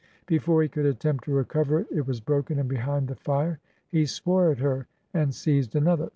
Before he could attempt to recover it, it was broken and behind the fire. He swore at her and seized another.